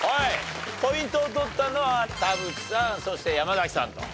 ポイントを取ったのは田渕さんそして山崎さんと。